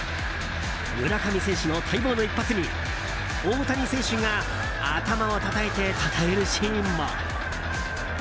村上選手の待望の一発に大谷選手が頭をたたいてたたえるシーンも。